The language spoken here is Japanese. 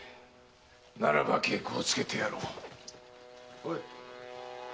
ならば稽古をつけてやろう。